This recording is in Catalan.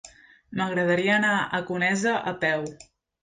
M'agradaria anar a Conesa a peu.